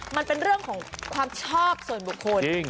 มันเป็นเรื่องของความชอบส่วนบุคคล